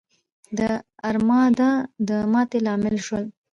د ارمادا د ماتې لامل شول.